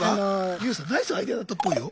ＹＯＵさんナイスアイデアだったっぽいよ？